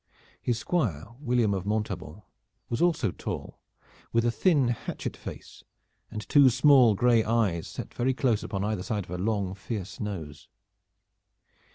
His Squire, William of Montaubon, was also tall, with a thin hatchet face, and two small gray eyes set very close upon either side of a long fierce nose.